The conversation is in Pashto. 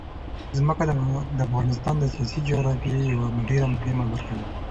ځمکه د افغانستان د سیاسي جغرافیه یوه ډېره مهمه برخه ده.